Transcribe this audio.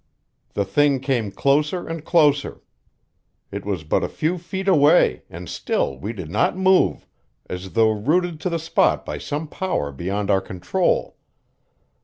The thing came closer and closer; it was but a few feet away, and still we did not move, as though rooted to the spot by some power beyond our control.